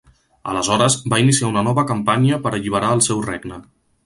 Aleshores, va iniciar una nova campanya per alliberar el seu regne.